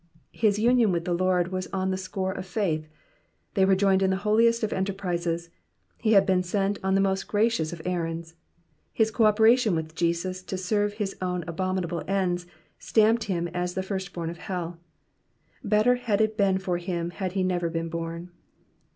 His union with the Lord was on the score of faith, they were joined in the holiest of enterprises, he had been sent on the most gracious of errands. His co operation with Jesus to serve his own abominable ends stamped him as the firstborn of hell. Better had it been for him had he never been born.